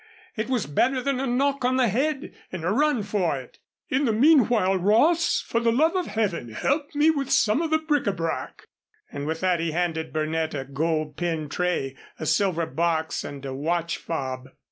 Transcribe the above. It was better than a knock on the head and a run for it. In the meanwhile, Ross, for the love of Heaven, help me with some of the bric à brac." And with that he handed Burnett a gold pin tray, a silver box and a watch fob.